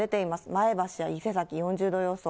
前橋や伊勢崎、４０度予想。